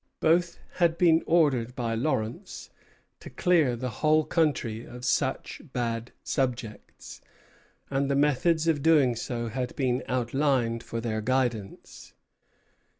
Both had been ordered by Lawrence to "clear the whole country of such bad subjects;" and the methods of doing so had been outlined for their guidance.